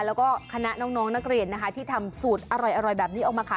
แล้วก็คณะน้องนักเรียนนะคะที่ทำสูตรอร่อยแบบนี้ออกมาขาย